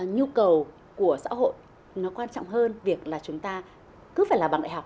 nhu cầu của xã hội nó quan trọng hơn việc là chúng ta cứ phải là bằng đại học